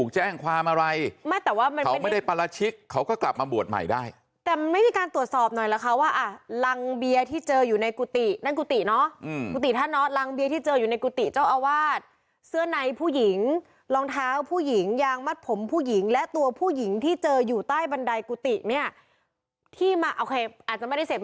แจ้งความอะไรไม่แต่ว่ามันไม่ได้ปราชิกเขาก็กลับมาบวชใหม่ได้แต่มันไม่มีการตรวจสอบหน่อยเหรอคะว่าอ่ะรังเบียร์ที่เจออยู่ในกุฏินั่นกุฏิเนอะกุฏิท่านเนาะรังเบียที่เจออยู่ในกุฏิเจ้าอาวาสเสื้อในผู้หญิงรองเท้าผู้หญิงยางมัดผมผู้หญิงและตัวผู้หญิงที่เจออยู่ใต้บันไดกุฏิเนี่ยที่มาโอเคอาจจะไม่ได้เสพ